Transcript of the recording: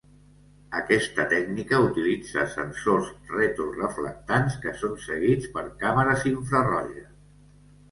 Aquesta tècnica utilitza sensors retro reflectants que són seguits per càmeres infraroges.